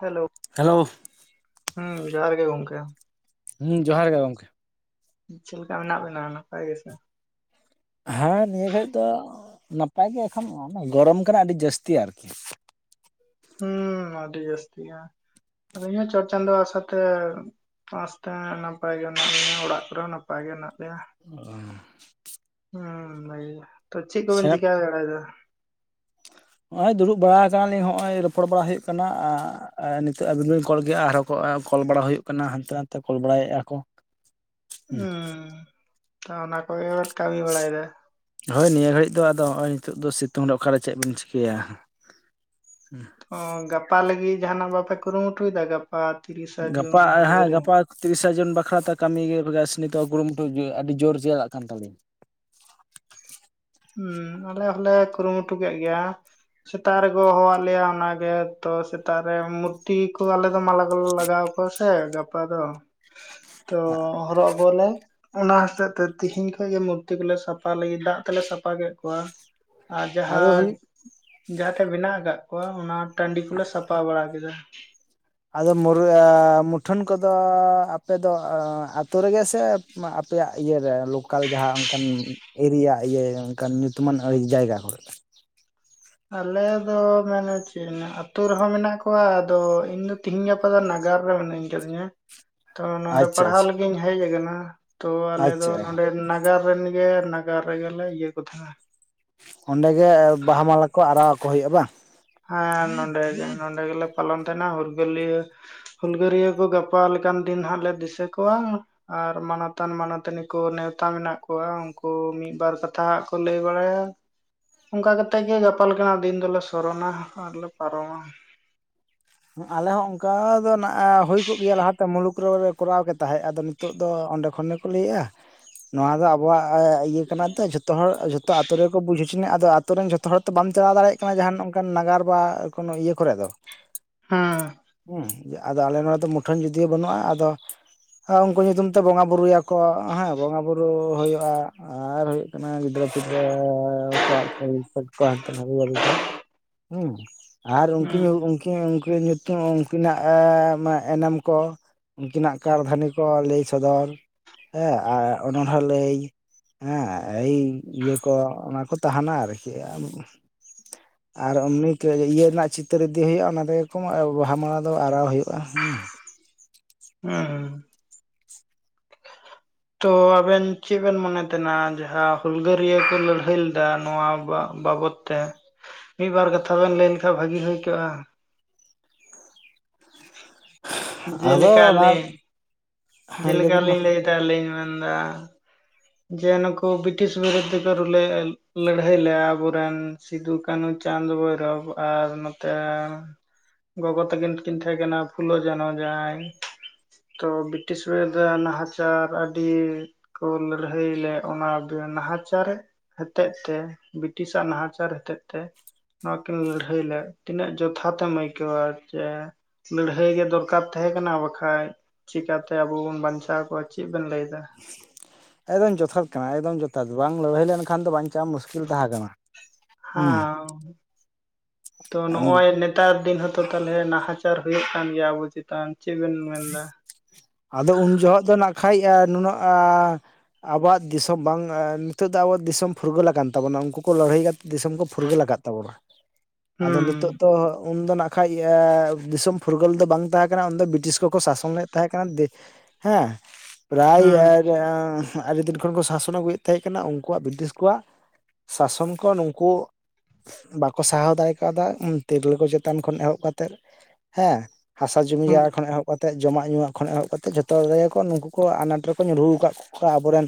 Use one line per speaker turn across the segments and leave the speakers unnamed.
Hello.
Hello.
ᱦᱩᱸ ᱡᱚᱦᱟᱨ ᱜᱮ ᱜᱚᱝᱠᱮ᱾
ᱦᱩᱸ ᱡᱚᱦᱟᱨ ᱜᱮ ᱜᱚᱝᱠᱮ᱾
ᱪᱤᱞ ᱞᱮᱠᱟ ᱢᱮᱱᱟᱜ ᱵᱮᱱᱟ ᱱᱟᱯᱟᱭ ᱜᱮᱥᱮ?
ᱦᱮᱸ ᱱᱤᱭᱟᱹ ᱜᱷᱟᱹᱲᱤᱡ ᱫᱚ ᱱᱟᱯᱟᱭ ᱜᱮ ᱮᱠᱷᱚᱱ ᱜᱚᱲᱚᱢ ᱠᱟᱱᱟ ᱟᱹᱰᱤ ᱡᱟᱹᱥᱛᱤ ᱟᱨᱠᱤ᱾
ᱦᱩᱸ ᱟᱹᱰᱤ ᱡᱟᱹᱥᱛᱤ ᱭᱟ ᱤᱭᱟᱹ ᱪᱚᱴᱪᱟᱸᱫᱚ ᱟᱥᱟᱛᱮ ᱟᱥᱛᱮ ᱱᱟᱯᱟᱭ ᱜᱮ ᱦᱮᱱᱟᱜ ᱞᱮᱭᱟ ᱚᱲᱟᱜ ᱠᱚᱨᱮ ᱦᱚᱸ ᱱᱟᱯᱟᱭ ᱜᱮ ᱦᱮᱱᱟᱜ ᱞᱮᱭᱟ᱾
ᱚᱻ
ᱦᱩᱸ ᱞᱟᱹᱭᱟ ᱛᱚ ᱪᱮᱜᱽ ᱠᱚᱵᱤᱱ
ᱥᱮᱵ
ᱪᱤᱠᱟᱹ ᱵᱟᱲᱟ ᱭᱮᱫᱟ?
ᱱᱚᱜᱼᱚᱭ ᱫᱩᱲᱩᱵ ᱵᱟᱲᱟ ᱟᱠᱟᱱᱟ ᱞᱤᱧ, ᱱᱚᱸᱜᱼᱚᱭ ᱨᱚᱯᱚᱲ ᱵᱟᱲᱟ ᱦᱩᱭᱩᱜ ᱠᱟᱱᱟ ᱟᱻ ᱟᱨ ᱱᱤᱛᱚᱜ ᱟᱹᱵᱤᱱ ᱵᱤᱱ ᱠᱚᱞ ᱠᱮᱫᱼᱟ ᱟᱨᱦᱚᱸ ᱠᱚ ᱠᱚᱞ ᱵᱟᱲᱟ ᱦᱩᱭᱩᱜ ᱠᱟᱱᱟ ᱦᱟᱱᱛᱮ ᱱᱟᱛᱮ ᱠᱚᱞ ᱵᱟᱲᱟᱭᱮᱜᱼᱟ ᱠᱚ᱾
ᱩᱸ ᱛᱟᱦᱞᱮ ᱚᱱᱟ ᱠᱚᱜᱮ ᱵᱮᱱ ᱠᱟᱹᱢᱤ ᱵᱟᱲᱟᱭᱮᱫᱟ?
ᱦᱳᱭ ᱱᱤᱭᱟᱹ ᱜᱷᱟᱹᱲᱤᱡ ᱫᱚ ᱟᱫᱚ ᱱᱚᱜᱼᱚᱭ ᱱᱤᱛᱳᱜ ᱫᱚ ᱥᱤᱛᱩᱝ ᱨᱮ ᱚᱠᱟᱨᱮ ᱪᱮᱜᱽ ᱵᱮᱱ ᱪᱤᱠᱟᱹᱭᱟ?
ᱚ ᱜᱟᱯᱟ ᱞᱟᱹᱜᱤᱫ ᱡᱟᱦᱟᱸᱱᱟᱜ ᱵᱟᱯᱮ ᱠᱩᱨᱩᱢᱩᱴᱩᱭᱮᱫᱟ ᱜᱟᱯᱟ ᱛᱤᱨᱤᱥᱟ ᱡᱩᱱ
ᱜᱟᱯᱟ ᱦᱮᱸ
ᱦᱩᱞᱜᱟᱹ
ᱜᱟᱯᱟ ᱛᱤᱨᱤᱥᱟ ᱡᱚᱱ ᱵᱟᱠᱷᱨᱟᱛᱮ ᱠᱟᱹᱢᱤ ᱜᱮ ᱤᱭᱟᱹ ᱱᱟᱥᱱᱤ ᱠᱩᱨᱩᱢᱩᱴᱩ ᱟᱹᱰᱤ ᱡᱳᱨ ᱪᱟᱞᱟᱜ ᱠᱟᱱ ᱛᱟᱞᱮᱭᱟ᱾
ᱦᱩᱸ ᱟᱞᱮ ᱦᱚᱞᱮ ᱠᱩᱨᱩᱢᱩᱴᱩ ᱠᱮᱜᱽ ᱜᱮᱭᱟ, ᱥᱮᱛᱟᱜ ᱨᱮᱠᱚ ᱦᱚᱦᱚᱣᱟᱫ ᱞᱮᱭᱟ ᱚᱱᱟᱜᱮ ᱛᱚ ᱥᱮᱛᱟᱜ ᱨᱮ ᱢᱩᱨᱛᱤ ᱠᱚ ᱟᱞᱮ ᱫᱚ ᱢᱟᱞᱟᱞᱮ ᱞᱟᱜᱟᱣ ᱠᱚ ᱥᱮ ᱜᱟᱯᱟ ᱫᱚ ᱛᱚ ᱦᱚᱨᱚᱜ ᱟᱠᱚᱣᱟᱞᱮ᱾ ᱚᱱᱟ ᱦᱚᱛᱮᱡ ᱛᱮ ᱛᱮᱦᱤᱧ ᱠᱷᱚᱡᱽ ᱜᱮ ᱢᱩᱨᱛᱤ ᱠᱚᱞᱮ ᱥᱟᱯᱷᱟ ᱞᱟᱹᱜᱤᱫ ᱫᱟᱜ ᱛᱮᱞᱮ ᱥᱟᱯᱷᱟ ᱠᱮᱜ ᱠᱚᱣᱟ᱾ ᱟᱨ
ᱟᱫᱚ
ᱡᱟᱦᱟᱸ
ᱦᱩᱭᱩᱜ
ᱡᱟᱦᱟᱸ ᱴᱷᱮᱜᱽ ᱵᱮᱱᱟᱜ ᱟᱠᱟᱫ ᱠᱚᱣᱟ ᱚᱱᱟ ᱴᱟᱺᱰᱤ ᱠᱚᱞᱮ ᱥᱟᱯᱷᱟ ᱵᱟᱲᱟ ᱠᱮᱫᱟ᱾
ᱟᱫᱚ ᱢᱩᱰᱨᱟᱹ ᱟ ᱢᱩᱴᱷᱟᱹᱱ ᱠᱚᱫᱚ ᱟᱯᱮᱫᱚ ᱟᱛᱳ ᱨᱮᱜᱮ ᱥᱮ ᱢᱟ ᱟᱯᱮᱭᱟᱜ ᱤᱭᱟᱹᱨᱮ ᱞᱳᱠᱟᱞ ᱡᱟᱦᱟᱸ ᱚᱱᱠᱟᱱ ᱮᱨᱤᱭᱟ ᱤᱭᱟᱹ ᱚᱱᱠᱟᱱ ᱧᱩᱛᱩᱢᱟᱱ ᱡᱟᱭᱜᱟ ᱠᱚᱨᱮ
ᱟᱞᱮ ᱫᱚ ᱢᱮᱱᱮ ᱪᱮᱫ ᱟᱹᱛᱩ ᱨᱮᱦᱚᱸ ᱢᱮᱱᱟᱜ ᱠᱚᱣᱟ ᱟᱫᱚ ᱤᱧ ᱫᱚ ᱛᱤᱦᱤᱧ ᱜᱟᱯᱟ ᱫᱚ ᱱᱟᱜᱟᱨ ᱨᱮ ᱢᱮᱱᱟᱧ ᱠᱟᱫᱤᱧᱟ, ᱛᱚ ᱱᱚᱰᱮ
ᱟᱪᱪᱷᱟ
ᱯᱟᱲᱦᱟᱣ
ᱟᱪᱪᱷᱟ
ᱞᱟᱹᱜᱤᱫ ᱤᱧ ᱦᱮᱡ ᱟᱠᱟᱱᱟ ᱛᱚ ᱟᱞᱮ ᱫᱚ
ᱟᱪᱪᱷᱟ
ᱱᱚᱰᱮ ᱱᱟᱜ ᱱᱟᱜᱟᱨ ᱨᱮᱱ ᱜᱮ ᱱᱟᱜᱟᱨ ᱨᱮᱜᱮ ᱞᱮ ᱤᱭᱟᱹ ᱠᱚ ᱛᱟᱦᱮᱸᱱᱟ᱾
ᱚᱸᱰᱮ ᱜᱮ ᱵᱟᱦᱟ ᱢᱟᱞᱟ ᱠᱚ ᱟᱨᱟᱣ ᱟᱠᱚ ᱦᱩᱭᱩᱜᱼᱟ ᱵᱟᱝ?
ᱦᱮᱸ ᱱᱚᱰᱮ ᱱᱚᱰᱮ ᱜᱮᱞᱮ ᱯᱟᱞᱚᱱ ᱛᱟᱦᱮᱱᱟ ᱦᱩᱞᱜᱟᱹᱨᱤᱭᱟᱹ ᱦᱩᱞᱜᱟᱹᱨᱭᱟᱹ ᱠᱚ ᱜᱟᱯᱟ ᱞᱮᱠᱟᱱ ᱫᱤᱱ ᱦᱟᱸᱜ ᱞᱮ ᱫᱤᱥᱟᱹ ᱠᱚᱣᱟ ᱟᱨ ᱢᱟᱱᱚᱛᱟᱱ ᱢᱟᱱᱚᱛᱟᱱᱤ ᱠᱚ ᱱᱮᱣᱛᱟ ᱢᱮᱱᱟᱜ ᱠᱚᱣᱟ ᱩᱱᱠᱩ ᱢᱤᱫᱵᱟᱨ ᱠᱟᱛᱷᱟ ᱠᱚ ᱞᱟᱹᱭ ᱵᱟᱲᱟᱭᱟ ᱚᱝᱠᱟ ᱠᱟᱛᱮᱜ ᱜᱮ ᱜᱟᱯᱟ ᱞᱮᱠᱟᱜ ᱫᱤᱱ ᱫᱚᱞᱮ ᱥᱚᱨᱚᱱᱟ ᱟᱨ ᱞᱮ ᱯᱟᱨᱚᱢᱟ ᱾
ᱟᱞᱮ ᱦᱚᱸ ᱚᱱᱠᱟ ᱫᱚ ᱱᱟ ᱦᱩᱭ ᱠᱚᱜ ᱜᱮᱭᱟ ᱞᱟᱦᱟᱛᱮ ᱢᱩᱞᱩᱠ ᱨᱮᱞᱮ ᱠᱚᱨᱟᱣ ᱜᱮ ᱛᱟᱦᱮᱸᱫ ᱟᱫᱚ ᱱᱤᱛᱚᱜ ᱫᱚ ᱚᱸᱰᱮ ᱠᱷᱚᱱ ᱜᱮᱠᱚ ᱞᱟᱹᱭᱮᱫᱼᱟ ᱱᱚᱣᱟ ᱫᱚ ᱟᱵᱚᱣᱟᱜ ᱤᱭᱟᱹ ᱠᱟᱱᱟ ᱛᱚ ᱡᱷᱚᱛᱚ ᱦᱚᱲ ᱡᱷᱚᱛᱚ ᱟᱛᱚ ᱛᱚ ᱨᱮᱠᱚ ᱵᱩᱡ ᱦᱚᱪᱚ ᱱᱤᱡ ᱟᱫᱚ ᱟᱛᱩ ᱨᱮᱱ ᱡᱷᱚᱛᱚ ᱦᱚᱲ ᱛᱚ ᱵᱟᱢ ᱪᱟᱞᱟᱣ ᱫᱟᱲᱮᱭᱟᱜ ᱠᱟᱱᱟ ᱡᱟᱦᱟᱱ ᱚᱱᱠᱟᱱ ᱱᱟᱜᱟᱨ ᱵᱟ ᱠᱳᱱᱳ ᱤᱭᱟᱹ ᱠᱚᱨᱮ ᱫᱚ
ᱦᱮᱸ ᱾
ᱦᱚᱸ ᱟᱫᱚ ᱟᱞᱮ ᱱᱚᱰᱮ ᱫᱚ ᱢᱩᱴᱷᱟᱹᱱ ᱡᱩᱫᱤᱭᱳ ᱵᱟᱹᱱᱩᱜᱼᱟ ᱟᱫᱚ ᱩᱱᱠᱩ ᱧᱩᱛᱩᱢ ᱛᱮ ᱵᱚᱸᱜᱟ ᱵᱩᱨᱩ ᱭᱟᱠᱚ ᱦᱮᱸ ᱵᱚᱸᱜᱟ ᱵᱩᱨᱩ ᱦᱩᱭᱩᱜᱼᱟ ᱟᱨ ᱚᱱᱟ ᱜᱤᱫᱽᱨᱟᱹ ᱯᱷᱤᱫᱨᱟᱹ ᱠᱚᱣᱟᱜ [inaudible] ᱟᱨ
ᱦᱩᱸ
ᱩᱱᱠᱤᱱ ᱩᱝᱠᱤᱱ ᱧᱩ ᱧᱩᱛ ᱩᱝᱠᱤᱱᱟᱜ ᱮᱱᱮᱢ ᱠᱚ ᱩᱝᱠᱤᱱᱟᱜ ᱠᱟᱨᱫᱷᱟᱹᱱᱤ ᱠᱚ ᱞᱟᱹᱭ ᱥᱚᱫᱚᱨ ᱦᱮᱸ ᱟᱨ ᱚᱱᱟ ᱦᱚᱸ ᱞᱟᱹᱭ ᱦᱮᱸ ᱮᱭ ᱤᱭᱟᱹ ᱠᱚ ᱚᱱᱟ ᱠᱚ ᱛᱟᱦᱮᱱᱟ ᱟᱨᱠᱤ
[inaudible]
ᱟᱨ ᱩᱱᱤ ᱤᱭᱟᱹ ᱨᱮᱱᱟᱜ ᱪᱤᱛᱟᱹᱨ ᱤᱫᱤ ᱦᱩᱭᱩᱜᱼᱟ ᱚᱱᱟ ᱛᱮᱜᱮ ᱠᱚ ᱵᱟᱦᱟ ᱢᱟ ᱫᱚ ᱟᱨᱟᱣ ᱦᱩᱭᱩᱜᱼᱟ ᱦᱮᱸ ᱾
ᱦᱮᱸ ᱦᱮᱸ ᱾ ᱛᱚ ᱟᱵᱮᱱ ᱪᱮᱫ ᱵᱮᱱ ᱢᱚᱱᱮ ᱛᱟᱦᱮᱱᱟ ᱡᱟᱦᱟᱸ ᱦᱩᱞᱜᱟᱹᱨᱤᱭᱟᱹ ᱠᱚ ᱞᱟᱹᱲᱦᱟᱹᱭ ᱞᱮᱫᱟ ᱱᱚᱣᱟ ᱵᱟᱵᱚᱛ ᱮᱱᱛᱮ ᱢᱤᱫ ᱵᱟᱨ ᱠᱟᱛᱷᱟ ᱵᱮᱱ ᱞᱟᱹᱭ ᱞᱮᱠᱷᱟᱱ ᱵᱷᱟᱹᱜᱤ ᱦᱳᱭ ᱠᱚᱜᱼᱟ ᱾
ᱟᱫᱚ
ᱡᱮᱞᱮᱠᱟ
ᱚᱱᱟ
ᱞᱤᱧ
ᱦᱮᱸ
ᱡᱮᱞᱮᱠᱟ
ᱞᱟᱹᱭᱵᱤᱱ ᱢᱟ
ᱞᱤᱧ ᱞᱟᱹᱭᱫᱟ ᱞᱤᱧ ᱢᱮᱱᱫᱟ ᱾ ᱡᱮ ᱱᱩᱠᱩ ᱵᱨᱤᱴᱤᱥ ᱵᱤᱨᱩᱫᱽᱫ ᱠᱚ ᱨᱩᱞᱮ ᱞᱟᱹᱲᱦᱟᱹᱭ ᱞᱮᱭᱟ ᱟᱵᱚᱨᱮᱱ ᱾ ᱥᱤᱫᱩ ᱠᱟᱱᱩ ᱪᱟᱸᱫᱽ ᱵᱷᱳᱭᱨᱚᱵᱽ ᱟᱨ ᱱᱚᱛᱮ ᱜᱚᱜᱚ ᱛᱟᱹᱠᱤᱱ ᱠᱤᱱ ᱛᱟᱦᱮᱸ ᱠᱟᱱᱟ ᱯᱷᱩᱞᱳ ᱡᱷᱟᱱᱚ ᱡᱟᱸᱦᱟᱭ ᱛᱚ ᱵᱨᱤᱴᱤᱥ ᱨᱮᱫᱚ ᱱᱟᱦᱟᱪᱟᱨ ᱟᱹᱰᱤ ᱠᱚ ᱟᱹᱲᱦᱟᱹᱭ ᱞᱮᱜ ᱚᱱᱟ ᱱᱟᱦᱟᱪᱟᱨ ᱨᱮ ᱾ ᱦᱚᱛᱮᱜ ᱛᱮ ᱵᱨᱤᱴᱤᱥ-ᱟᱜ ᱱᱟᱦᱟᱪᱟᱨ ᱦᱚᱛᱮᱡ ᱛᱮ᱾ ᱱᱚᱣᱟ ᱠᱤᱱ ᱞᱟᱹᱲᱦᱟᱹᱭ ᱞᱮᱫ ᱛᱤᱱᱟᱹᱜ ᱡᱚᱛᱷᱟᱛ ᱮᱢ ᱟᱹᱭᱠᱟᱹᱣᱟ ᱡᱮ ᱞᱟᱹᱲᱦᱟᱹᱭ ᱜᱮ ᱫᱚᱨᱠᱟᱨ ᱛᱟᱦᱮᱸ ᱠᱟᱱᱟ ᱵᱟᱠᱷᱟᱡ ᱪᱤᱟᱹᱛᱮ ᱟᱵᱚ ᱵᱚᱱ ᱵᱟᱧᱪᱟᱣ ᱠᱚ-ᱟ ᱪᱮᱫ ᱵᱮᱱ ᱞᱟᱹᱭᱫᱟ ᱾
ᱮᱠᱫᱚᱢ ᱡᱚᱛᱷᱟᱛ ᱠᱟᱱᱟ ᱮᱠᱫᱚᱢ ᱡᱚᱛᱷᱟᱛ ᱵᱟᱝ ᱞᱟᱹᱲᱦᱟᱹᱭ ᱞᱮᱱᱠᱷᱟᱱ ᱫᱚ ᱵᱟᱧᱪᱟᱣ ᱢᱩᱥᱠᱤᱞ ᱛᱟᱦᱮᱸ ᱠᱟᱱᱟ ᱾
ᱦᱟᱸ ᱛᱚ ᱱᱚᱜᱼᱚᱭ ᱾ ᱱᱮᱛᱟᱨ ᱫᱤᱱ ᱦᱛᱚ ᱛᱟᱦᱚᱞᱮ ᱱᱟᱦᱟᱪᱟᱨ ᱦᱩᱭᱩᱜ ᱠᱟᱱ ᱜᱮᱭᱟ ᱟᱵᱚ ᱪᱮᱛᱟᱱ ᱾ᱪᱮᱫ ᱵᱮᱱ ᱢᱮᱱᱫᱟ?
ᱟᱫᱚ ᱩᱱ ᱡᱚᱦᱚᱜ ᱫᱚ ᱱᱟᱜᱠᱷᱟᱡ ᱱᱩᱱᱟᱹᱜ ᱟᱻ ᱟᱵᱚᱣᱟᱜ ᱫᱤᱥᱚᱢ ᱵᱟᱝ ᱱᱤᱛᱚᱜ ᱫᱚ ᱟᱵᱚᱣᱟᱜ ᱫᱤᱥᱚᱢ ᱯᱷᱩᱨᱜᱟᱹᱞ ᱟᱠᱟᱱ ᱛᱟᱵᱚᱱᱟ ᱩᱱᱠᱩ ᱠᱚ ᱞᱟᱹᱲᱦᱟᱹᱭ ᱫᱤᱥᱚᱢ ᱠᱚ ᱯᱷᱩᱨᱜᱟᱹᱞ ᱟᱠᱟᱫ ᱛᱟᱵᱚᱱᱟ
[inaudible]
ᱟᱫᱚ ᱱᱤᱛᱳᱜ ᱫᱚ ᱩᱱᱫᱚ ᱱᱟᱜ ᱠᱷᱟᱡ ᱫᱤᱥᱚᱢ ᱯᱷᱩᱨᱜᱟᱹᱞ ᱫᱚ ᱵᱟᱝ ᱛᱟᱦᱮᱸ ᱠᱟᱱᱟ ᱩᱱᱫᱚ ᱵᱨᱤᱴᱤᱥ ᱠᱚ ᱾ ᱠᱚ ᱥᱟᱥᱚᱱ ᱞᱮᱫ ᱛᱟᱦᱮᱸ ᱠᱟᱱᱟ ᱦᱮᱸ ᱯᱨᱟᱭ
ᱦᱩᱸ
ᱟᱨ ᱟᱹᱰᱤ ᱫᱤᱱ ᱠᱷᱚᱱ ᱠᱚ ᱥᱟᱥᱚᱱ ᱟᱹᱜᱩᱭᱮᱫ ᱛᱟᱦᱮᱸ ᱠᱟᱱᱟ ᱩᱱᱠᱩᱣᱟᱜ ᱵᱨᱤᱴᱤᱥ ᱠᱚᱣᱟᱜ ᱥᱟᱥᱚᱱ ᱠᱚ ᱱᱩᱠᱩ ᱾ ᱵᱟᱠᱚ ᱥᱟᱦᱟᱣ ᱫᱟᱲᱮ ᱠᱟᱣᱫᱟ ᱛᱤᱨᱞᱟᱹ ᱠᱚ ᱪᱮᱛᱟᱱ ᱠᱷᱚᱱ ᱮᱦᱚᱵ ᱠᱟᱛᱮᱜ ᱦᱮᱸ ᱦᱟᱥᱟ ᱡᱩᱢᱤ
ᱦᱩᱸ
ᱡᱟᱭᱜᱟ ᱠᱷᱚᱱ ᱮᱦᱚᱵ ᱛᱮᱫ ᱡᱚᱢᱟᱜ ᱧᱩᱣᱟᱜ ᱠᱷᱚᱱ ᱮᱦᱚᱵ ᱠᱟᱛᱮᱜ ᱡᱷᱚᱛᱚ ᱨᱮ ᱜᱮ ᱠᱚ ᱱᱩᱠᱩ ᱠᱚ ᱟᱱᱟᱴ ᱨᱮᱠᱚ ᱧᱩᱨᱩᱨ ᱟᱠᱟᱫ ᱠᱚᱣᱟ ᱟᱵᱚᱨᱮᱱ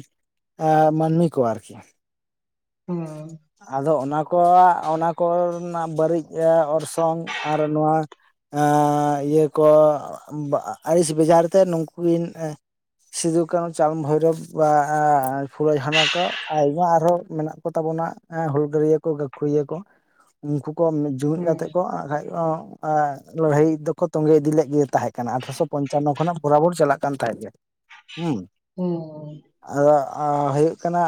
ᱮ ᱢᱟᱹᱱᱢᱤ ᱠᱚ ᱟᱨᱠᱤ
ᱦᱮᱸ ᱾
ᱟᱫᱚ ᱚᱱᱟ ᱠᱚ ᱚᱱᱟ ᱠᱚ ᱨᱮᱱᱟᱜ ᱵᱟᱹᱲᱤᱡ ᱚᱨᱥᱚᱝ ᱟᱨ ᱱᱚᱣᱟ ᱾ ᱤᱭᱟᱹ ᱠᱚ ᱟᱹᱲᱤᱥ ᱵᱮᱡᱟᱨ ᱛᱮ ᱱᱩᱠᱩ ᱠᱤᱱ ᱥᱤᱫᱩ ᱠᱟᱹᱱᱩ ᱪᱟᱸᱫᱽ ᱵᱷᱳᱭᱨᱳᱵ ᱵᱟ ᱯᱷᱩᱞᱟᱹ ᱡᱷᱟᱱᱚ ᱠᱚ ᱟᱭᱢᱟ ᱟᱨᱦᱚᱸ ᱢᱮᱱᱟᱜ ᱠᱚ ᱛᱟᱵᱚᱱᱟ ᱮᱸ ᱦᱩᱞᱜᱟᱹᱨᱭᱟᱹ ᱠᱚ ᱜᱟᱹᱠᱷᱩᱲᱤᱭᱟᱹ ᱠᱚ ᱩᱱᱠᱩ ᱠᱚ ᱡᱩᱢᱤᱫ
ᱦᱩᱸ
ᱠᱟᱛᱮᱫ ᱠᱚ ᱟᱨ ᱠᱷᱟᱡ ᱠᱚ ᱞᱟᱹᱲᱦᱟᱹᱭ ᱫᱚᱠᱚ ᱛᱚᱸᱜᱮ ᱤᱫᱤ ᱞᱮᱫ ᱜᱮ ᱛᱟᱦᱮᱸᱫ ᱾ ᱟᱴᱷᱨᱚᱥᱚ ᱯᱚᱧᱪᱟᱱᱱᱚ ᱠᱷᱚᱱᱟᱜ ᱵᱚᱨᱟᱵᱚᱨ ᱪᱟᱞᱟᱜ ᱠᱟᱱ ᱛᱟᱦᱮᱸᱫ ᱜᱮ ᱦᱮᱸ
ᱦᱩᱸ
᱾ ᱟᱫᱚ ᱦᱩᱭᱩᱜ ᱠᱟᱱᱟ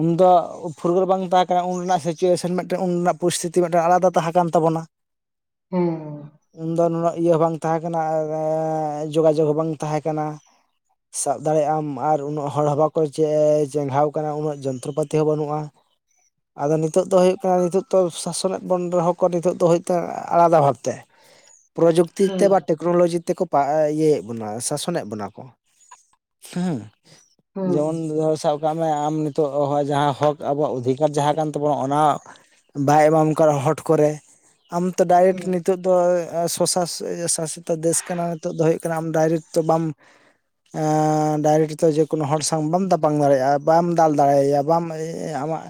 ᱩᱱᱫᱚ ᱯᱷᱩᱨᱜᱟᱹᱞ ᱵᱟᱝ ᱛᱟᱦᱮᱸ ᱠᱟᱱᱟ ᱩᱱ ᱨᱮᱱᱟᱜ ᱥᱤᱪᱩᱭᱮᱥᱚᱱ ᱢᱤᱫᱴᱮᱱ ᱩᱱ ᱨᱮᱱᱟᱜ ᱯᱚᱨᱤᱥᱛᱷᱤᱛᱤ ᱢᱤᱫᱴᱮᱱ ᱟᱞᱟᱫᱟ ᱛᱟᱦᱮᱸ ᱠᱟᱱ ᱛᱟᱵᱚᱱᱟ ᱾
ᱦᱮᱸ ᱾
ᱩᱱᱫᱚ ᱱᱩᱱᱟᱹᱜ ᱤᱭᱟᱹ ᱦᱚᱸ ᱵᱟᱝ ᱛᱟᱦᱮᱸ ᱠᱟᱱᱟ ᱡᱳᱜᱟᱡᱳᱜᱽ ᱦᱚᱸ ᱵᱟᱝ ᱛᱟᱦᱮᱸ ᱠᱟᱱᱟ ᱾ ᱥᱟᱵ ᱫᱟᱲᱮᱭᱟᱜ ᱟᱢ ᱟᱨ ᱩᱱᱟᱹᱜ ᱦᱚᱲ ᱦᱚᱸ ᱵᱟᱠᱚ ᱮ ᱻ ᱪᱮᱸᱜᱷᱟᱣ ᱠᱟᱱᱟ ᱩᱱᱟᱹᱜ ᱡᱚᱱᱛᱨᱚ ᱯᱟᱹᱛᱤ ᱦᱚᱸ ᱵᱟᱹᱱᱩᱜᱼᱟ ᱾ ᱟᱫᱚ ᱱᱤᱛᱚᱜ ᱫᱚ ᱦᱩᱭᱩᱜ ᱠᱟᱱᱟ ᱱᱤᱛᱚᱜ ᱫᱚ ᱥᱟᱥᱚᱱᱮᱜ ᱵᱚᱱ ᱨᱮᱦᱚᱸ ᱠᱚ ᱱᱤᱛᱚᱜ ᱫᱚ ᱠᱟᱱᱟ ᱟᱞᱟᱫᱟ ᱵᱷᱟᱵᱽᱛᱮ ᱾ ᱯᱨᱚᱡᱩᱠᱛᱤ ᱛᱮ
ᱦᱩᱸ
ᱵᱟ ᱴᱮᱠᱱᱳᱞᱚᱡᱤ ᱛᱮᱠᱚ ᱤᱭᱟᱹᱭᱮᱫ ᱵᱚᱱᱟ ᱥᱟᱥᱚᱱᱮᱫ ᱵᱚᱱᱟ ᱠᱚ ᱦᱮᱸ ᱾
ᱦᱩᱸ
ᱡᱮᱢᱚᱱ ᱫᱷᱚᱨ ᱥᱟ ᱠᱟᱜ ᱢᱮ ᱟᱢ ᱱᱤᱛᱚᱜ ᱦᱚᱸᱜᱼᱚᱭ ᱡᱟᱦᱟᱸ ᱦᱚᱠ ᱟᱵᱚᱣᱟᱜ ᱚᱫᱷᱤᱠᱟᱨ ᱡᱟᱦᱟᱸ ᱠᱟᱱ ᱛᱟᱵᱚᱱᱟ ᱚᱱᱟ ᱵᱟᱭ ᱮᱢᱟᱢ ᱠᱟᱱᱟ ᱦᱚᱴ ᱠᱚᱨᱮ ᱟᱢ ᱛᱚ
ᱦᱩᱸ
ᱰᱟᱭᱨᱮᱠᱴ ᱱᱤᱛᱚᱜ ᱫᱚ ᱥᱚᱥᱟ ᱥᱟᱥᱮᱛᱚ ᱫᱮᱥ ᱠᱟᱱᱟ ᱱᱤᱛᱚᱜ ᱫᱚ ᱠᱟᱱᱟ ᱟᱢ ᱰᱟᱭᱨᱮᱠᱴ ᱛᱚ ᱵᱟᱢ ᱰᱟᱭᱨᱮᱠᱴ ᱫᱚ ᱡᱮᱠᱳᱱᱳ ᱦᱚᱲ ᱥᱟᱝ ᱵᱟᱢ ᱛᱟᱯᱟᱢ ᱫᱟᱲᱮᱭᱟᱜᱼᱟ ᱵᱟᱢ ᱫᱟᱞ ᱫᱟᱲᱮᱭᱟᱭᱟ ᱾ ᱵᱟᱢ ᱟᱢᱟᱜ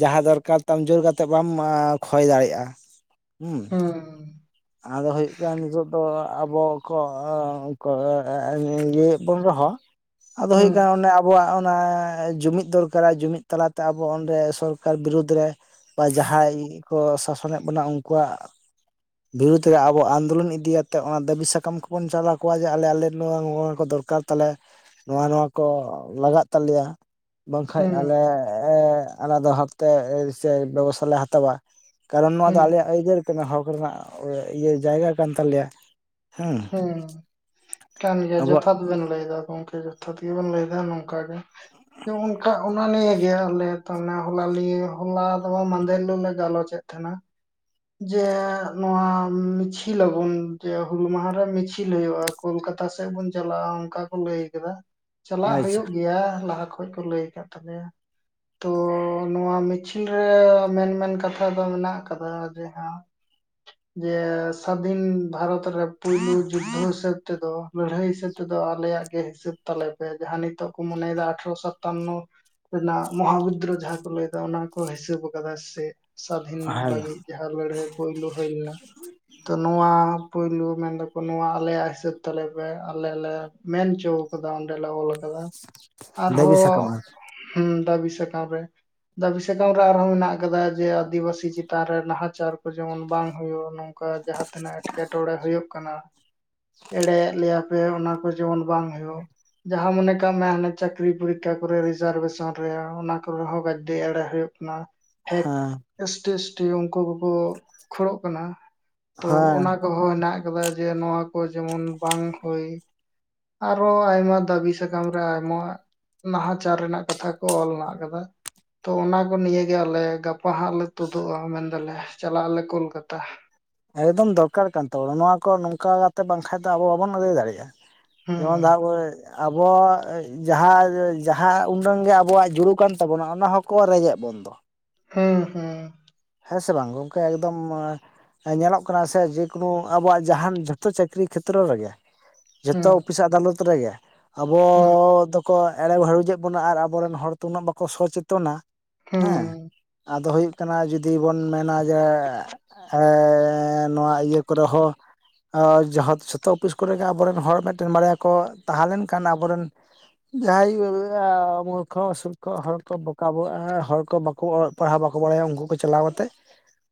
ᱡᱟᱦᱟᱸ ᱫᱚᱨᱠᱟᱨ ᱛᱟᱢ ᱡᱳᱨ ᱠᱟᱛᱮ ᱵᱟᱢ ᱠᱷᱚᱭ ᱫᱟᱲᱮᱭᱟᱜᱼᱟ ᱾ ᱦᱩᱸ
ᱦᱩᱸ
ᱟᱫᱚ ᱦᱩᱭᱩᱜ ᱠᱟᱱᱟ ᱱᱤᱛᱚᱜ ᱫᱚ ᱟᱵᱚ ᱠᱚ ᱤᱭᱟᱹᱮᱫ ᱵᱚᱱ ᱨᱮᱦᱚᱸ ᱟᱫᱚ
ᱦᱩᱸ
ᱦᱩᱭᱩᱜ ᱠᱟᱱᱟ ᱾ ᱟᱵᱚᱣᱟᱜ ᱚᱱᱟ ᱡᱩᱢᱤᱫ ᱫᱚᱨᱠᱟᱨᱟ ᱡᱩᱢᱤᱫ ᱛᱟᱞᱟ ᱛᱮ ᱟᱵᱚ ᱚᱸᱰᱮ ᱥᱚᱨᱠᱟᱨ ᱵᱤᱨᱩᱫᱽ ᱨᱮ ᱵᱟ ᱡᱟᱦᱟᱸᱭ ᱠᱚ ᱥᱟᱥᱚᱱᱮᱫ ᱵᱚᱱᱟ ᱩᱱᱠᱩᱣᱟᱜ ᱵᱤᱨᱩᱫᱽ ᱨᱮ ᱟᱵᱚ ᱟᱱᱫᱳᱞᱚᱱ ᱤᱫᱤᱭᱟᱛ ᱚᱱᱟ ᱫᱟᱹᱵᱤ ᱥᱟᱠᱟᱢ ᱠᱚᱵᱚᱱ ᱪᱟᱞᱟᱣ ᱠᱚᱣᱟ ᱡᱮ ᱟᱞᱮ ᱟᱞᱮ ᱱᱚᱣᱟ ᱱᱚᱣᱟ ᱠᱚ ᱫᱚᱨᱠᱟᱨ ᱾ ᱛᱟᱞᱮ ᱱᱚᱣᱟ ᱱᱚᱣᱟ ᱠᱚ ᱞᱟᱜᱟᱜ ᱛᱟᱞᱮᱭᱟ ᱾ ᱵᱟᱝᱠᱟᱷᱡ ᱟᱞᱮ ᱟᱞᱟᱫᱟ ᱵᱷᱟᱵᱛᱮ ᱥᱮ ᱵᱮᱵᱚᱥᱛᱷᱟ ᱞᱮ ᱦᱟᱛᱟᱣᱟ ᱾ ᱠᱟᱨᱚᱱ ᱱᱚᱣᱟ ᱫᱚ
ᱦᱩᱸ
ᱟᱞᱮᱭᱟᱜ ᱟᱹᱭᱫᱟᱹᱨ ᱠᱟᱱᱟ ᱦᱚᱠ ᱨᱮᱱᱟᱜ ᱤᱭᱟᱹ ᱡᱟᱭᱜᱟ ᱠᱟᱱ ᱛᱟᱞᱮᱭᱟ ᱾
ᱦᱮᱸ ᱠᱟᱱ ᱜᱮᱭᱟ
ᱟᱵᱚᱣᱟᱜ
ᱡᱚᱛᱷᱟᱛ ᱾ ᱵᱮᱱ ᱞᱟᱹᱭᱫᱟ ᱜᱚᱝᱠᱮ ᱡᱚᱛᱟᱛ ᱜᱮᱵᱮᱱ ᱞᱟᱹᱭᱫᱟ ᱱᱚᱝᱠᱟ ᱜᱮ ᱚᱱᱠᱟ ᱚᱱᱟ ᱱᱤᱭᱮ ᱜᱮ ᱟᱞᱮ ᱛᱮ ᱦᱚᱞᱟ ᱱᱤᱭ ᱦᱚᱞᱟ ᱫᱚ ᱵᱟᱝ ᱢᱟᱫᱷᱮᱨ ᱦᱤᱞᱳ ᱞᱮ ᱜᱟᱞᱚᱪ ᱮᱫ ᱛᱟᱦᱮᱱᱟ ᱾ ᱡᱮ ᱱᱚᱣᱟ ᱢᱤᱪᱷᱤᱞ ᱟᱵᱚᱱ, ᱡᱮ ᱦᱩᱞ ᱢᱟᱦᱟᱨᱮ ᱢᱤᱪᱷᱤᱞ ᱦᱩᱭᱩᱜᱼᱟ ᱾ ᱠᱳᱞᱠᱟᱛᱟ ᱥᱮᱫ ᱵᱚᱱ ᱪᱟᱞᱟᱜᱼᱟ, ᱚᱱᱠᱟ ᱠᱚ ᱞᱟᱹᱭ ᱟᱠᱟᱫᱟ ᱪᱟᱞᱟᱜ
ᱟᱪᱪᱷᱟ
ᱦᱩᱭᱩᱜ ᱜᱮᱭᱟ, ᱞᱟᱦᱟ ᱠᱷᱚᱡ ᱠᱚ ᱞᱟᱹᱭᱫᱟ ᱾ ᱠᱟᱜ ᱛᱟᱯᱮᱭᱟ ᱾ ᱛᱚ ᱱᱚᱣᱟ ᱢᱤᱪᱷᱩᱞ ᱨᱮ ᱢᱮᱱ ᱢᱮᱱ ᱠᱟᱛᱷᱟ ᱫᱚ ᱢᱮᱱᱟᱜ ᱟᱠᱟᱫᱟ ᱾ ᱡᱮ ᱟᱢ ᱡᱮ ᱥᱟᱫᱷᱤᱱ ᱵᱷᱟᱨᱚᱛ ᱨᱮ ᱯᱩᱭᱞᱩ ᱡᱩᱫᱽᱫᱚ ᱦᱤᱥᱟᱹᱵ ᱛᱮᱫᱚ ᱞᱟᱹᱲᱦᱟᱹᱭ ᱦᱤᱥᱟᱹᱵ ᱛᱮᱫᱚ ᱟᱞᱮᱭᱟᱜ ᱜᱮ ᱦᱤᱥᱟᱹᱵ ᱛᱟᱞᱮ ᱯᱮ ᱡᱟᱦᱟᱸ ᱱᱤᱛᱚᱜ ᱠᱚ ᱢᱚᱱᱮᱭᱮᱫᱟ ᱟᱴᱷᱨᱚ ᱥᱟᱛᱟᱱᱱᱚ ᱨᱮᱱᱟᱜ ᱢᱚᱦᱟ ᱵᱩᱫᱽᱫᱨᱚ ᱡᱟᱦᱟᱸ ᱠᱚ ᱞᱟᱹᱭᱫᱟ ᱚᱱᱟ ᱠᱚ ᱦᱤᱥᱟᱹᱵ ᱟᱠᱟᱫᱟ ᱥᱮ ᱥᱟᱹᱫᱷᱤᱱ
ᱦᱮᱸ
ᱞᱟᱹᱜᱤᱫ ᱾ ᱡᱟᱦᱟᱸ ᱞᱟᱹᱲᱦᱟᱹᱭ ᱯᱳᱭᱞᱳ ᱦᱩᱭ ᱞᱮᱱᱟ ᱾ ᱛᱚ ᱱᱚᱣᱟ ᱯᱩᱭᱞᱩ ᱢᱮᱱ ᱫᱟᱠᱚ ᱱᱚᱣᱟ ᱟᱞᱮᱭᱟᱜ ᱦᱤᱥᱟᱹᱵ ᱛᱟᱞᱮ ᱯᱮ ᱟᱞᱮ ᱞᱮ ᱢᱮᱱ ᱦᱚᱪᱚᱸ ᱟᱠᱟᱫᱟ ᱚᱸᱰᱮ ᱞᱮ ᱚᱞ ᱟᱠᱟᱫᱟ᱾
ᱫᱟᱹᱵᱤ
ᱟᱨᱦᱚᱸ
ᱥᱟᱠᱟᱢ ᱟᱨᱠᱤ
ᱦᱮᱸ ᱫᱟᱹᱵᱤ ᱥᱟᱠᱟᱢ ᱨᱮ, ᱫᱟᱹᱵᱤ ᱥᱟᱠᱟᱢ ᱨᱮ, ᱟᱨᱦᱚᱸ ᱢᱮᱱᱟᱜ ᱟᱠᱟᱫᱟ ᱡᱮ ᱟᱹᱫᱤ ᱵᱟᱹᱥᱤ ᱪᱮᱛᱟᱱ ᱨᱮ ᱱᱟᱦᱟᱪᱟᱨ ᱠᱚ ᱡᱮᱢᱚᱱ ᱵᱟᱝ ᱦᱳᱜ-ᱟ᱾ ᱱᱚᱝᱠᱟ ᱡᱟᱦᱟᱸ ᱛᱤᱱᱟᱹᱜ ᱮᱸᱴᱠᱮᱴᱚᱬᱮᱸ ᱦᱳᱭᱳᱜ ᱠᱟᱱᱟ᱾ ᱮᱲᱮᱭᱮᱫ ᱞᱮᱭᱟ ᱯᱮ ᱚᱱᱟ ᱠᱚ ᱡᱮᱢᱚᱱ ᱵᱟᱝ ᱦᱩᱭᱩ-ᱜ ᱡᱟᱦᱟᱸ ᱢᱚᱱᱮ ᱠᱟᱜ ᱢᱮ, ᱦᱟᱱᱮ ᱪᱟᱹᱠᱨᱤ ᱯᱚᱨᱤᱠᱷᱟ ᱠᱚᱨᱮ, ᱨᱤᱡᱟᱨᱵᱷᱮᱥᱚᱱ ᱨᱮ ᱚᱱᱟ ᱠᱚᱨᱮ ᱦᱚᱸ ᱜᱟᱡᱽᱫᱤ ᱮᱲᱮ ᱦᱩᱭᱳᱜ ᱱᱟ ᱦᱮᱠ
ᱦᱮᱸ
ᱮᱥᱴᱤ - ᱮᱥᱴᱤ ᱩᱱᱠᱩ ᱠᱚᱼᱠᱚ ᱠᱷᱚᱲᱚ-ᱜ ᱠᱟᱱᱟ ᱾ᱛᱚ
ᱦᱮᱸ
ᱚᱱᱟ ᱠᱚᱦᱚᱸ ᱦᱮᱱᱟᱜ ᱟᱠᱟᱫᱟ᱾ ᱡᱮ ᱱᱚᱣᱟ ᱠᱚ ᱡᱮᱢᱚᱱ ᱵᱟᱝ ᱦᱳᱭ ᱟᱨᱚ ᱟᱭᱢᱟ ᱫᱟᱹᱵᱤ ᱥᱟᱠᱟᱢ ᱨᱮ ᱟᱭᱢᱟ᱾ ᱱᱟᱦᱟᱪᱟᱨ ᱨᱮᱱᱟᱜ ᱠᱟᱛᱷᱟ ᱠᱚ ᱚᱞ ᱢᱮᱱᱟᱜ ᱟᱠᱟᱫᱟ᱾ ᱛᱚ ᱚᱱᱟ ᱠᱚ ᱱᱤᱭ ᱜᱮ, ᱟᱞᱮ ᱜᱟᱯᱟ ᱦᱟᱸᱜ ᱞᱮ ᱛᱩᱫᱩᱜᱼᱟ᱾ ᱢᱮᱱᱫᱟᱞᱮ ᱪᱟᱞᱟᱜ ᱟᱞᱮ ᱠᱳᱞᱠᱟᱛᱟ᱾
ᱮᱠᱫᱚᱢ ᱫᱚᱨᱠᱟᱨ ᱠᱟᱱ ᱛᱟᱵᱚᱱᱟ᱾ ᱱᱚᱣᱟ ᱠᱚ ᱱᱚᱝᱠᱟ ᱠᱟᱛᱮ ᱵᱟᱝᱠᱷᱟᱱ ᱫᱚ ᱾ᱟᱵᱚ ᱵᱟᱵᱚᱱ ᱟᱫᱟᱹᱭ ᱫᱟᱲᱮᱭᱟᱜᱼᱟ᱾ ᱡᱮᱢᱚᱱ
ᱦᱩᱸ
ᱡᱟᱦᱟ ᱠᱳᱨᱮ ᱟᱵᱚ ᱡᱟᱦᱟᱸ ᱡᱟᱦᱟᱸ ᱩᱱᱟᱝ ᱜᱮ ᱟᱵᱚᱣᱟ-ᱜ ᱡᱩᱲᱩ ᱠᱟᱱ ᱛᱟᱵᱚᱱᱟ᱾ ᱚᱱᱟ ᱦᱚᱸᱠᱚ ᱨᱮᱡᱮᱫ ᱵᱚᱱ ᱫᱚ᱾
ᱦᱮᱸ ᱦᱮᱸ
ᱦᱮᱸ ᱥᱮ ᱵᱟᱝ ᱜᱚᱝᱠᱮ ᱮᱠᱫᱚᱢ ᱧᱮᱞᱚᱜ ᱠᱟᱱᱟ ᱥᱮ ᱡᱮᱠᱳᱱᱳ ᱟᱵᱚᱣᱟ-ᱜ ᱡᱟᱦᱟᱱ ᱡᱷᱚᱛᱚ ᱪᱟᱹᱠᱨᱤ ᱠᱷᱮᱛᱨᱚ ᱨᱮᱜᱮ᱾
ᱦᱩᱸ
ᱡᱚᱛᱚ ᱚᱯᱷᱤᱥ ᱟᱫᱟᱞᱚᱛ ᱨᱮᱜᱮ, ᱟᱵᱚ ᱫᱚ ᱠᱚ ᱮᱲᱮ ᱵᱷᱟᱹᱲᱩᱡᱮᱫ ᱵᱚᱱᱟ, ᱟᱨ ᱟᱵᱚᱨᱮᱱ ᱦᱚᱲ ᱛ ᱩᱱᱟᱹᱜ ᱵᱟᱠᱚ ᱥᱚᱪᱮᱛᱚᱱᱟ᱾
ᱦᱩᱸ
ᱦᱮᱸ ᱟᱫᱚ ᱦᱩᱭᱩᱜ ᱠᱟᱱᱟ ᱾ᱡᱩᱫᱤ ᱡᱩᱫᱤ ᱵᱚᱱ ᱢᱮᱱᱟ ᱡᱮ ᱱᱚᱣᱟ ᱤᱭᱟᱹ ᱠᱚᱨᱮ ᱦᱚᱸ᱾ ᱡᱷᱚᱛᱚ ᱚᱯᱷᱤᱥ ᱠᱚᱨᱮᱜ ᱟᱵᱚᱨᱮᱱ ᱦᱚᱲ, ᱢᱤᱫᱴᱮᱱ ᱵᱟᱨᱭᱟ ᱠᱚ ᱛᱟᱦᱮᱸ ᱞᱮᱱᱠᱷᱟᱱ ᱟᱵᱚᱨᱮᱱ ᱡᱟᱦᱟᱸᱭ ᱢᱩᱨᱠᱷᱚ ᱚᱥᱩᱨᱠᱷᱚ ᱦᱚᱲ ᱠᱚ ᱵᱟᱠᱟ ᱵᱚᱷᱚᱜ ᱦᱚᱲ ᱠᱚ ᱵᱟᱠᱚ ᱯᱟᱲᱦᱟᱣ ᱵᱟᱠᱚ ᱵᱟᱲᱟᱭᱟ ᱩᱱᱠᱩ ᱠᱚ ᱪᱟᱞᱟᱣ ᱠᱟᱛᱮᱫ᱾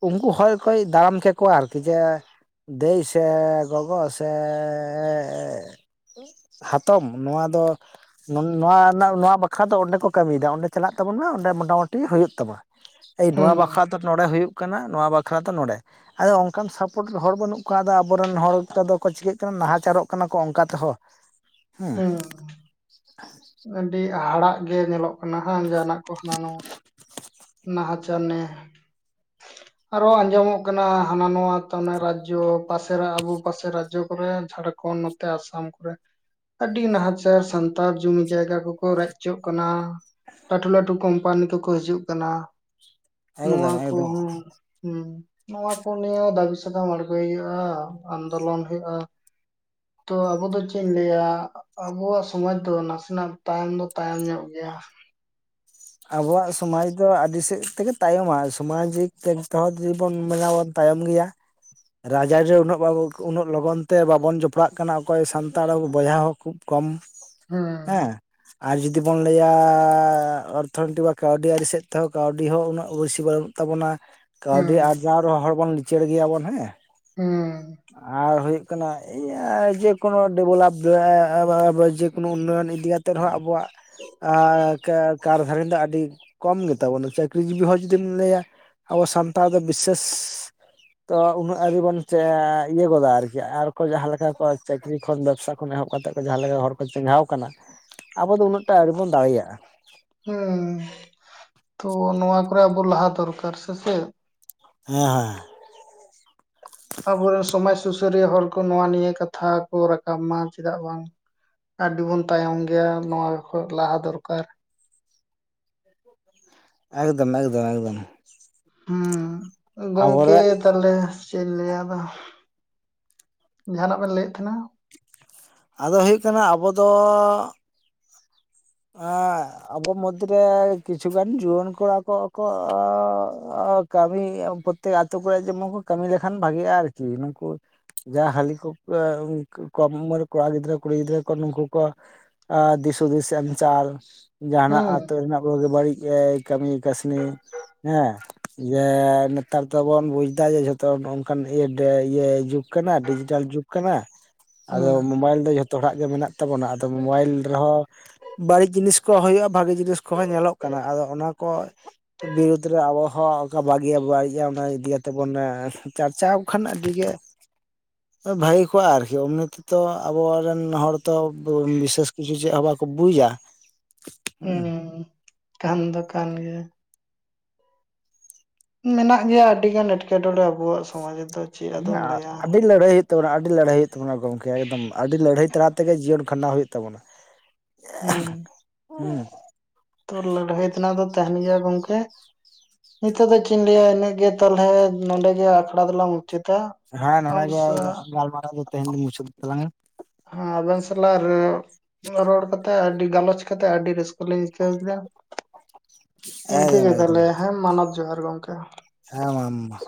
ᱩᱱᱠᱩ ᱦᱚᱲ ᱠᱚ ᱫᱟᱨᱟᱢ ᱠᱮ ᱠᱚᱣᱟ ᱟᱨᱠᱤ ᱡᱮ ᱫᱟᱹᱭ ᱥᱮ ᱜᱚ-ᱜᱚ ᱥᱮ ᱦᱟᱛᱚᱢ ᱱᱚᱣᱟ ᱫᱚ ᱱᱚᱣᱟ ᱨᱮᱱᱟᱜ ᱱᱚᱣᱟ ᱵᱟᱠᱷᱨᱟ ᱫᱚ ᱚᱸᱰᱮ ᱠᱚ ᱠᱟᱹᱢᱤᱭᱮᱫᱟ᱾ ᱚᱸᱰᱮ ᱪᱟᱞᱟᱜ ᱛᱟᱵᱚᱱ ᱢᱟ ᱚᱸᱰᱮ ᱢᱚᱴᱟ ᱢᱩᱴᱤ ᱦᱳᱭᱳᱜ ᱛᱟᱢᱟ᱾ ᱮᱭ
ᱦᱩᱸ
ᱱᱚᱣᱟ
ᱦᱩᱸ
ᱵᱟᱠᱷᱨᱟ ᱛᱚ ᱱᱚᱰᱮ ᱦᱩᱭᱩ-ᱜ ᱠᱟᱱᱟ ᱾ ᱱᱚᱣᱟ ᱵᱟᱠᱷᱨᱟ ᱫᱚ ᱱᱚᱰᱮᱸ ᱟᱫᱚ ᱚᱱᱠᱟᱱ ᱥᱟᱯᱳᱚᱴ ᱦᱚᱲ ᱵᱟᱹᱱᱩᱜ ᱠᱚᱣᱟ᱾ ᱟᱫᱚ ᱟᱵᱚᱨᱮᱱ ᱦᱚᱲ ᱠᱚᱼᱫᱚ ᱠᱚ ᱪᱤᱠᱟᱹᱜ ᱠᱟᱱᱟ᱾ ᱱᱟᱦᱟᱪᱟᱨᱚ-ᱜ ᱠᱟᱱᱟ ᱠᱚ ᱚᱱᱠᱟ ᱛᱮᱦᱚᱸ
[inaudible]
ᱦᱮᱸ
ᱦᱩᱸ ᱟᱹᱰᱤ ᱦᱟᱦᱟᱲᱟ-ᱜ ᱜᱮ ᱧᱮᱞᱚᱜ ᱠᱟᱱᱟ᱾ ᱦᱮᱸ ᱡᱟᱦᱟᱱᱟ-ᱜ ᱠᱚ ᱦᱟᱱᱟ ᱱᱟᱣᱟ ᱱᱟᱦᱟᱪᱟᱨ ᱱᱮ ᱟᱨᱚ ᱟᱸᱡᱚᱢᱚᱼᱜ ᱠᱟᱱᱟ᱾ ᱦᱟᱱᱟ ᱱᱚᱣᱟ ᱛᱮ ᱨᱟᱡᱽᱡᱳ ᱯᱟᱥᱮᱨᱮ ᱟᱵᱚ ᱯᱟᱥᱮ ᱨᱟᱡᱽᱡᱚ ᱠᱚᱨᱮ ᱡᱷᱟᱲᱠᱷᱚᱸᱰ᱾ ᱛᱮ ᱟᱥᱟᱢ ᱠᱚᱨᱮ ᱟᱹᱰᱤ ᱱᱟᱦᱟᱪᱟᱨ ᱥᱟᱱᱛᱟᱲ ᱡᱩᱢᱤ ᱡᱟᱭᱜᱼᱟ᱾ ᱠᱚᱼᱠᱚ ᱨᱮᱡ ᱦᱚᱪᱚᱸᱜ ᱠᱟᱱᱟ᱾ ᱞᱟᱹᱴᱷᱩ, ᱞᱟᱹᱴᱷᱩ ᱠᱳᱢᱯᱟᱱᱤ ᱠᱚᱼᱠᱚ ᱦᱤᱡᱩᱜ ᱠᱟᱱᱟ ᱾ ᱱᱚᱣᱟ
ᱮᱠᱫᱚᱢ ᱮᱠᱫᱚᱢ
ᱠᱚᱼᱦᱚᱸ ᱾ ᱦᱩᱸ ᱱᱚᱣᱟ ᱠᱚ ᱱᱤᱭᱟᱹ ᱫᱟᱵᱤ ᱥᱟᱠᱟᱢ ᱟᱲᱜᱚᱭ ᱦᱩᱭᱩᱜᱼᱟ᱾ ᱟᱱᱫᱳᱞᱚᱱ ᱦᱩᱭᱩᱜᱼᱟ᱾ ᱛᱚ ᱟᱵᱚ ᱫᱚ ᱪᱮᱫ ᱤᱧ ᱞᱟᱹᱭᱟ᱾ ᱟᱵᱚᱣᱟᱼᱜ ᱥᱚᱢᱟᱡ ᱫᱚ ᱱᱟᱥᱮᱱᱟ-ᱜ ᱛᱟᱭᱚᱢ ᱫᱚ ᱛᱟᱭᱚᱢ ᱧᱚᱜ ᱜᱮᱭᱟ᱾
ᱟᱵᱚᱣᱟᱼᱜ ᱥᱚᱢᱟᱡᱽ ᱫᱚ ᱟᱹᱰᱤ ᱥᱮᱫ ᱛᱮᱜᱮ ᱛᱟᱭᱚᱢᱟ ᱥᱟᱢᱟᱡᱤᱠ ᱫᱤᱠ ᱛᱮ-ᱦᱚᱸ ᱡᱩᱫᱤᱵᱚᱱ ᱢᱮᱱᱟ ᱵᱚᱱ ᱛᱟᱭᱚᱢ ᱜᱮᱭᱟ᱾ ᱨᱟᱡ ᱟᱨᱮ ᱩᱱᱟᱹᱜ ᱩᱱᱟᱹᱜ ᱞᱚᱜᱚᱱ ᱛᱮ ᱵᱟᱵᱚᱱ ᱡᱚᱯᱲᱟᱜ ᱠᱟᱱᱟ᱾. ᱚᱠᱚᱭ ᱥᱟᱱᱛᱟᱲ ᱵᱚᱭᱦᱟ ᱦᱚᱸ ᱠᱷᱩᱵ ᱠᱚᱢ᱾ ᱦᱮᱸ ᱟᱨ ᱡᱩᱫᱤ ᱵᱚᱱ ᱞᱟᱹᱭᱟ᱾ [unintelligible] ᱠᱟᱹᱣᱰᱤ ᱟᱹᱨᱤ ᱥᱮᱫ ᱛᱮᱦᱚᱸ ᱠᱟᱹᱣᱰᱤ ᱦᱚᱸ ᱩᱱᱟᱹᱜ ᱵᱮᱥᱤ ᱵᱚᱱᱩᱜ ᱛᱟᱵᱚᱱᱟ, ᱠᱟᱹᱣᱰᱤ
ᱦᱮᱸ
ᱟᱨᱡᱟᱣ ᱨᱮᱦᱚᱸ ᱦᱚᱲ ᱵᱚᱱ ᱞᱤᱪᱟᱹᱲ ᱜᱮᱭᱟᱵᱚᱱ ᱦᱮᱸ᱾
ᱦᱮᱸ
ᱟᱨ ᱦᱩᱭᱩᱜ ᱠᱟᱱᱟ ᱤᱭᱟᱹ [inaudible] ᱡᱮᱠᱳᱱᱳ ᱰᱮᱵᱷᱞᱚᱯ [inaudible] ᱡᱮᱠᱳᱱᱳ ᱦᱤᱡᱩᱜ ᱠᱟᱱ ᱤᱫᱤ ᱠᱟᱛᱮᱫ ᱨᱮᱦᱚᱸ ᱟᱵᱚᱣᱟᱜ [inaudible] ᱜᱷᱟᱨᱚᱧᱡ ᱫᱚ ᱟᱹᱰᱤ ᱠᱚᱢ ᱜᱮᱛᱟ ᱵᱚᱱᱟ, ᱪᱟᱹᱠᱨᱤ ᱡᱤᱵᱤ ᱦᱚᱲ ᱡᱩᱫᱤᱢ ᱞᱟᱹᱭᱟ᱾ ᱟᱵᱚ ᱥᱟᱱᱛᱟᱲ ᱫᱚ ᱵᱤᱥᱮᱥ ᱛᱚ ᱩᱱᱟᱹᱜ ᱟᱹᱣᱨᱤ ᱵᱚᱱ [inaudible] ᱤᱭᱟᱹ ᱜᱚᱫᱟ ᱟᱨᱠᱤ ᱟᱨᱠᱚ ᱡᱟᱸᱦᱟᱸ ᱞᱮᱠᱟ ᱠᱚ ᱪᱟᱹᱠᱨᱤ ᱠᱷᱚᱱ ᱵᱮᱵᱽᱥᱟ ᱠᱷᱚᱱ ᱮᱦᱚᱵ ᱠᱟᱛᱮᱫ ᱡᱟᱸᱦᱟᱸ ᱞᱮᱠᱟ ᱦᱚᱲ ᱠᱚ ᱪᱮᱸᱜᱷᱟᱣ ᱟᱠᱟᱱᱟ ᱟᱵᱚ ᱫᱚ ᱩᱱᱟᱹᱜ ᱴᱟᱜ ᱟᱹᱣᱨᱤ ᱵᱚᱱ ᱫᱟᱲᱮᱭᱟᱜᱼᱟ᱾
ᱦᱩᱸ, ᱛᱚ ᱱᱚᱣᱟ ᱠᱚᱨᱮ ᱟᱵᱚ ᱞᱟᱦᱟ ᱫᱚᱨᱠᱟᱨ ᱥᱮ, ᱥᱮ ᱪᱮᱫ᱾
ᱦᱮᱸ ᱦᱮᱸ
ᱟᱵᱚᱨᱮᱱ ᱥᱚᱢᱟᱡᱽ ᱥᱩᱥᱟᱹᱨᱤᱭᱟᱹ ᱦᱚᱲ ᱠᱚ ᱱᱚᱣᱟ ᱱᱤᱭᱟᱹ ᱠᱟᱛᱷᱟ ᱠᱚ ᱨᱟᱠᱟᱵ ᱢᱟ ᱪᱮᱫᱟᱜ ᱵᱟᱝ ᱟᱹᱰᱤᱵᱚᱱ ᱛᱟᱭᱚᱢ ᱜᱮᱭᱟ ᱱᱚᱣᱟ ᱠᱷᱚᱡ ᱞᱟᱦᱟ ᱫᱚᱨᱠᱟᱨ᱾
[inaudible] ᱮᱠᱫᱚᱢ ᱮᱠᱫᱚᱢ ᱮᱠᱫᱚᱢ
ᱦᱩᱸ ᱜᱚᱝᱠᱮ
ᱟᱵᱚᱨᱮ
ᱛᱟᱦᱚᱞᱮ ᱪᱮᱫ ᱤᱧ ᱞᱟᱹᱭᱟ ᱟᱫᱚ, ᱡᱟᱦᱟᱱᱟᱜ ᱵᱮᱱ ᱞᱟᱹᱭᱮᱫ ᱛᱟᱦᱮᱱᱟ?
ᱟᱫᱚ ᱦᱩᱭᱩᱜ ᱠᱟᱱᱟ ᱟᱵᱚ ᱫᱚ ᱟ ᱟᱵᱚ ᱢᱩᱫᱨᱮ ᱠᱤᱪᱷᱩᱜᱟᱱ ᱡᱩᱣᱟᱹᱱ ᱠᱚᱲᱟ ᱠᱚ ᱠᱚ [inaudible] ᱠᱟᱹᱢᱤ ᱯᱨᱚᱛᱛᱮᱠ ᱟᱹᱛᱩ ᱠᱚᱨᱮ ᱡᱮᱢᱚᱱ ᱠᱚ ᱠᱟᱹᱢᱤ ᱞᱮᱠᱷᱟᱱ ᱵᱷᱟᱜᱮᱼᱟ ᱟᱨᱠᱤ ᱱᱩᱠᱩ᱾ ᱡᱟ ᱦᱟᱞᱤ ᱠᱚ [inaudible] ᱠᱚᱢ ᱩᱢᱮᱨ ᱠᱚᱲᱟ ᱜᱤᱫᱽᱨᱟᱹ ᱠᱩᱲᱤ ᱜᱤᱫᱽᱨᱟᱹ ᱠᱚ ᱱᱩᱝᱠᱩ ᱾ ᱟ ᱫᱤᱥ ᱦᱩᱫᱤᱥ ᱮᱢ ᱪᱟᱞ, ᱡᱟᱦᱱᱟᱜ
ᱦᱩᱸ
ᱟᱹᱛᱳ ᱨᱮᱱᱟᱜ ᱵᱳᱜᱮ ᱵᱟᱹᱲᱤᱡ ᱮ ᱠᱟᱹᱢᱤ ᱠᱟᱹᱥᱱᱤ, ᱦᱮᱸ ᱡᱮ ᱱᱮᱛᱟᱨ ᱛᱚᱵᱚᱱ ᱵᱩᱡ ᱫᱟ ᱡᱮ ᱡᱷᱚᱛᱚ ᱱᱚᱝᱠᱟᱱ [inaudible] ᱡᱩᱜᱽ ᱡᱩᱜ ᱰᱤᱡᱤᱴᱮᱞ ᱡᱩᱜ᱾ ᱠᱟᱱᱟ, ᱟᱫᱚ
ᱦᱩᱸ
ᱢᱳᱚᱵᱟᱭᱤᱞ ᱫᱚ ᱡᱷᱚᱛᱚ ᱦᱚᱲᱟᱜ ᱜᱮ ᱢᱮᱱᱟᱜ ᱛᱟᱵᱚᱱᱟ ᱟᱫᱚ ᱢᱳᱵᱟᱭᱤᱞ ᱨᱮᱦᱚᱸ ᱵᱟᱹᱲᱤᱡ ᱡᱤᱱᱤᱥ ᱠᱚ ᱦᱳᱭᱳᱜᱼᱟ ᱵᱷᱟᱜᱮ ᱡᱤᱱᱤᱥ ᱠᱚᱦᱚᱸ ᱧᱮᱞᱚᱜ ᱠᱟᱱᱟ ᱟᱫᱚ ᱚᱱᱟ ᱠᱚ᱾ ᱵᱤᱨᱩᱫᱽ ᱨᱮ ᱟᱵᱚ ᱦᱚᱸ ᱚᱱᱠᱟ ᱵᱷᱟᱜᱮ ᱵᱟᱹᱲᱤᱡ ᱚᱱᱟ ᱤᱫᱤ ᱠᱟᱛᱮ ᱵᱚᱱ ᱪᱟᱨᱪᱟᱣ ᱠᱷᱟᱱ ᱟᱹᱰᱤ ᱜᱮ
[inaudible]
ᱵᱷᱟᱹᱜᱮ ᱠᱚᱜᱼᱟ ᱟᱨᱠᱤ ᱮᱢᱱᱤ ᱛᱮ ᱛᱚ ᱟᱵᱚᱨᱮᱱ ᱦᱚᱲ ᱛᱚ ᱵᱤᱥᱮᱥ ᱠᱤᱪᱷᱩ ᱪᱮᱫ ᱦᱚᱸ ᱵᱟᱠᱚ ᱵᱩᱡᱟ ᱦᱮᱸ
[inaudible] ᱠᱟᱱ ᱫᱚ ᱠᱟᱱ ᱜᱮᱭᱟ᱾ ᱢᱮᱱᱟᱜ ᱜᱮᱭᱟ ᱟᱹᱰᱤ ᱜᱟᱱ ᱮᱸᱴᱠᱮᱴᱚᱬᱮ ᱟᱵᱩᱣᱟᱜ ᱥᱚᱢᱟᱡ ᱨᱮᱫᱚ᱾ ᱪᱮᱫ ᱟᱫᱚᱢ ᱞᱟᱹᱭᱟ
ᱟᱹᱰᱤ ᱞᱟᱹᱲᱦᱟᱹᱭ ᱦᱩᱭᱩᱜ ᱛᱟᱵᱚᱱᱟ, ᱟᱹᱰᱤ ᱞᱟᱹᱲᱦᱟᱹᱭ ᱦᱩᱭᱩᱜ ᱛᱟᱵᱚᱱᱟ, ᱜᱚᱢᱠᱮ ᱮᱠᱫᱚᱢ ᱟᱹᱰᱤ ᱞᱟᱹᱲᱦᱟᱹᱭ ᱛᱟᱞᱟ ᱛᱮ ᱛᱮᱜᱮ ᱡᱤᱭᱚᱱ ᱠᱷᱟᱸᱰᱟᱣ ᱦᱩᱭᱩᱜ ᱛᱟᱵᱚᱱᱟ᱾
ᱦᱮᱸ
ᱦᱩᱸ
ᱛᱚ ᱞᱟᱹᱲᱦᱟᱹᱭ ᱛᱮᱱᱟᱜ ᱫᱚ ᱛᱟᱦᱮᱱ ᱜᱮᱭᱟ ᱜᱚᱢᱠᱮ᱾ ᱱᱤᱛᱚᱜ ᱫᱚ ᱪᱮᱫ ᱞᱟ. ᱭᱟ ᱤᱱᱟᱹᱜ ᱜᱮ ᱛᱟᱞᱚᱞᱦᱮ ᱱᱚᱰᱮ ᱜᱮ ᱟᱠᱷᱲᱟ ᱫᱚᱞᱟᱝ ᱢᱩᱪᱟᱛᱟ ᱾
ᱦᱮᱸ ᱱᱚᱰᱮ ᱜᱮ ᱜᱟᱞᱢᱟᱨᱟᱣ ᱫᱚ ᱛᱮᱦᱮᱧ ᱫᱚᱧ ᱢᱩᱪᱟᱹᱫ ᱛᱞᱟᱝᱼᱟ᱾
ᱦᱮ ᱟᱵᱮᱱ ᱥᱟᱞᱟᱜ ᱨᱚᱲ ᱠᱟᱛᱮᱜ ᱟᱹᱰᱤ ᱜᱟᱞᱚᱪ ᱠᱟᱛᱮᱜ ᱟᱹᱰᱤ ᱨᱟᱹᱥᱠᱟᱹ ᱞᱮ ᱟᱹᱭᱠᱟᱹᱣ ᱠᱮᱫᱟ᱾ ᱤᱱᱠᱟᱹ
ᱮᱠᱫᱚᱢ
ᱜᱮ
ᱮᱠᱫᱚᱢ
ᱛᱟᱦᱞᱮ ᱦᱮᱸ ᱢᱟᱱᱚᱛ ᱡᱚᱦᱟᱨ ᱜᱚᱢᱠᱮ ᱾
ᱦᱮᱸ ᱢᱟ [inaudible]